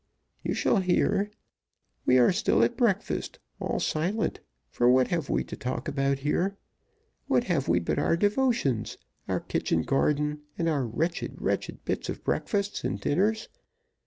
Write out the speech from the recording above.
"You shall hear. We are still at breakfast, all silent for what have we to talk about here? What have we but our devotions, our kitchen garden, and our wretched, wretched bits of breakfasts and dinners?